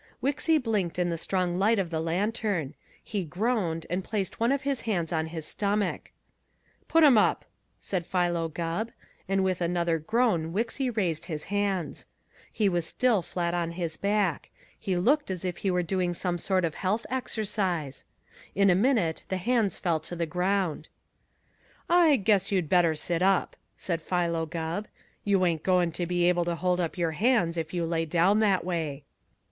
Wixy blinked in the strong light of the lantern. He groaned and placed one of his hands on his stomach. "Put 'em up!" said Philo Gubb, and with another groan Wixy raised his hands. He was still flat on his back. He looked as if he were doing some sort of health exercise. In a minute the hands fell to the ground. "I guess you'd better set up," said Philo Gubb. "You ain't goin' to be able to hold up your hands if you lay down that way."